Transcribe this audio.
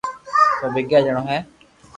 سب اگياري جڻو ھي